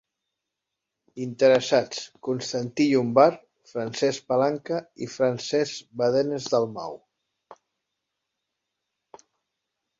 Interessats: Constantí Llombart, Francesc Palanca i Francesc Badenes Dalmau.